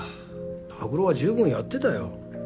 拓郎は十分やってたよ。